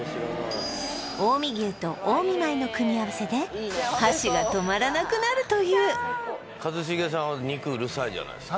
近江牛と近江米の組み合わせで箸が止まらなくなるという一茂さんは肉うるさいじゃないですか